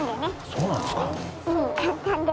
そうなんですか？